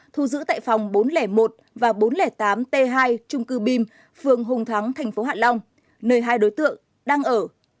thu giữ tại phòng bốn trăm linh một và bốn trăm linh tám t hai trung cư bim phường hùng thắng thành phố hạ long nơi hai đối tượng đang ở